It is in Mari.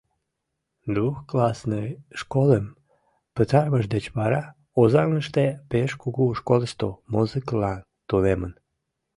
Двухклассный школым пытарымыж деч вара Озаҥыште пеш кугу школышто музыкылан тунемын.